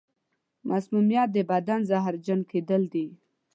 مسمومیت د بدن زهرجن کېدل دي.